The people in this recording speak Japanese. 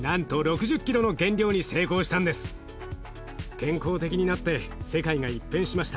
健康的になって世界が一変しました。